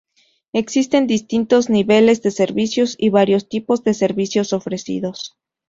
Existen distintos niveles de servicios y varios tipos de servicios ofrecidos.